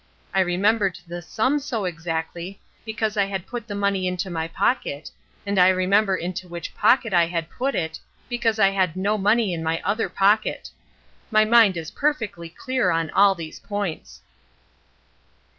I remembered the sum so exactly because I had put the money into my pocket, and I remember into which pocket I had put it because I had no money in any other pocket. My mind is perfectly clear on all these points.